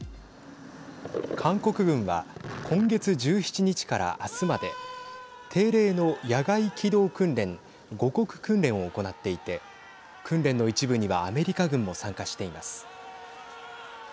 韓国軍は今月１７日から明日まで定例の野外機動訓練護国訓練を行っていて訓練の一部にはアメリカ軍も参加しています。